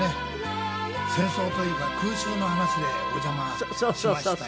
戦争というか空襲の話でお邪魔しましたよ。